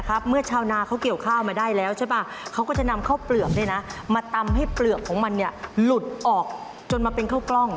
ตอนที่แม่ชอบดูหนังโบราณ